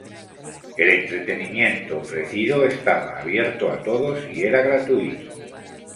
El entretenimiento ofrecido estaba abierto a todos y era gratuito.